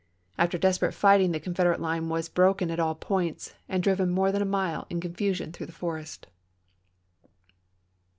After desperate fighting the Con federate line was broken at all points, and driven more than a mile in confusion through the forest.